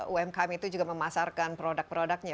umkm itu juga memasarkan produk produknya